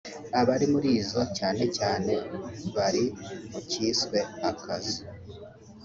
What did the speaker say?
abari muri zo cyane cyane bari mu cyiswe «Akazu »